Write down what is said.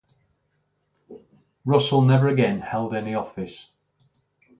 Russell never again held any office.